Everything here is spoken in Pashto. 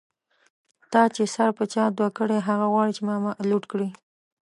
تا چی سر په چا دو کړۍ، هغه غواړی چی ما لوټ کړی